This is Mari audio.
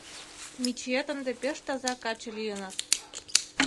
Мичиет ынде пеш таза каче лийыныс.